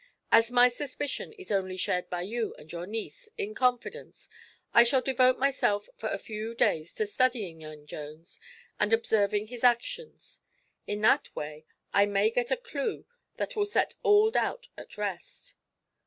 As my suspicion is only shared by you and your niece, in confidence, I shall devote myself for a few days to studying young Jones and observing his actions. In that way I may get a clue that will set all doubt at rest."